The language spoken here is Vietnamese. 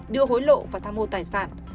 đưa hối lộ và tham mô tài sản